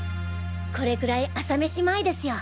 これくらい朝飯前ですよ！